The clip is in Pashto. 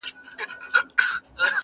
د هغه په فیصله دي کار سمېږي٫